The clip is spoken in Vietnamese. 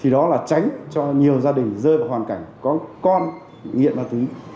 đó là tránh cho nhiều gia đình rơi vào hoàn cảnh có con nghiện ma túy